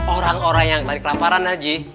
orang orang yang tadi kelaparan haji